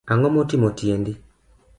Angomotimo tiendi